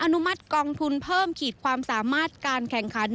อนุมัติกองทุนเพิ่มขีดความสามารถการแข่งขัน